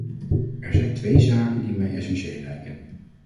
Er zijn twee zaken die mij essentieel lijken.